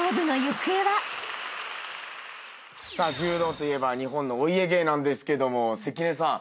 さあ柔道といえば日本のお家芸なんですけども関根さん